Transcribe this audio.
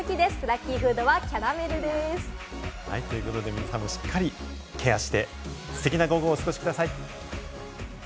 皆さんもしっかりケアしてステキな午後をお過ごしください。